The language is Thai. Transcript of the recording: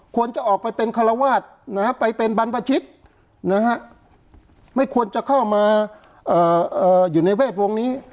ควรจะออกไปเป็นคารวาสไปเป็นบรรพชิตนะฮะไม่ควรจะเข้ามาอยู่ในเวทวงศ์นี้